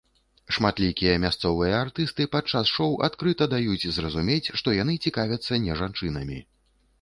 Шматлікія мясцовыя артысты падчас шоу адкрыта даюць зразумець, што яны цікавяцца не жанчынамі.